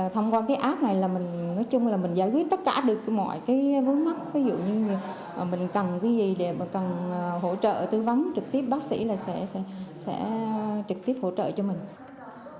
thông qua ứng dụng giúp tôi chị có thể kết nối tất cả những thắc mắc về sức khỏe hoàn toàn miễn phí